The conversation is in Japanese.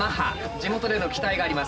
地元での期待があります。